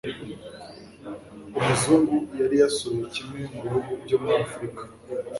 Umuzungu yari yasuye kimwe mu bihugu byo muri afurika